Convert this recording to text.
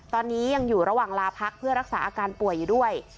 ตอนนี้ยังอยู่ระหว่างลาพักเพื่อรักษาอาการป่วยอยู่ด้วย